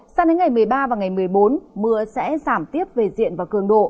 sang đến ngày một mươi ba và ngày một mươi bốn mưa sẽ giảm tiếp về diện và cường độ